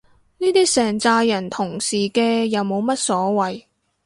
呢啲成咋人同時嘅又冇乜所謂